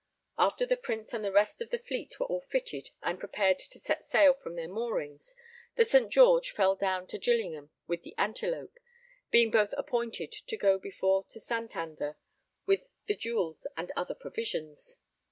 After the Prince and the rest of the Fleet were all fitted and prepared to set sail from their moorings, the St. George fell down to Gillingham with the Antelope, being both appointed to go before to Santander with the jewels and other provisions.